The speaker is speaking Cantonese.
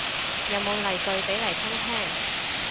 有冇例句俾嚟聽聽